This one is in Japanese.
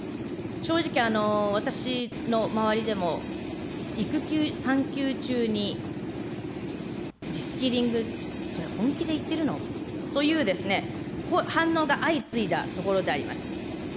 正直、私の周りでも、育休、産休中にリスキリング、それ本気で言ってるのという反応が相次いだところであります。